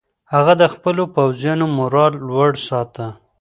هغه د خپلو پوځیانو مورال لوړ ساته.